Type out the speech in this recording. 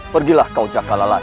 pergilah kau cakal alat